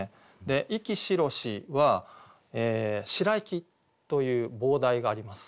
「息白し」は「白息」という傍題があります。